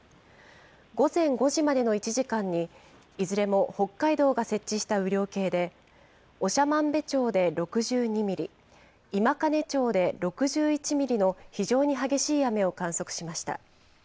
午前５時までの１時間に、いずれも北海道が設置した雨量計で、長万部町で６２ミリ、今金町で６１ミリの非常に激しい雨を観測しました。